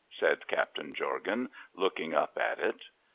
' said Captain Jorgan, looking up at it.